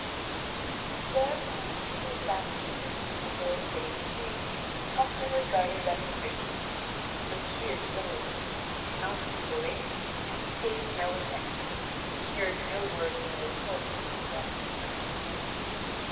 (Vv. 1727 1942.) Thereupon she goes back to the room where my lord Yvain is waiting, comfortably guarded by her vigilance. But he is ill at ease when he cannot see the lady, and he pays no attention, and hears no word of the report which the damsel brings to him.